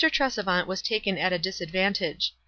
Tresevant was taken at a disadvantage.